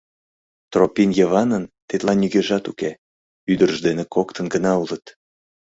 Тропин Йыванын тетла нигӧжат уке, ӱдыржӧ дене коктын гына улыт.